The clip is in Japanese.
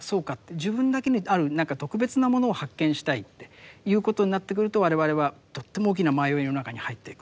自分だけにある何か特別なものを発見したいっていうことになってくると我々はとっても大きな迷いの中に入っていく。